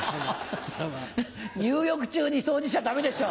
入浴中に掃除しちゃダメでしょ！